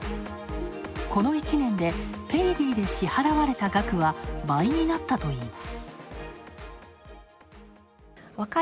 この１年でペイディで支払われた額は倍になったといいます。